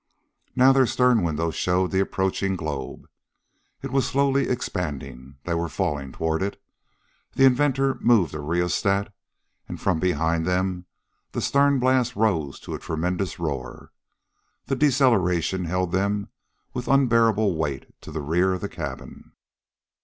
Now their stern windows showed the approaching globe. It was slowly expanding. They were falling toward it. The inventor moved a rheostat, and from behind them the stern blast rose to a tremendous roar. The deceleration held them with unbearable weight to the rear of the cabin.